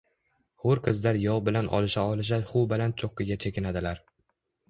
Hur qizlar yov bilan olisha-olisha huv baland choʼqqiga chekinadilar.